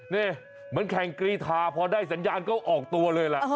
นี่เหมือนแข่งกรีธาพอได้สัญญาณก็ออกตัวเลยล่ะ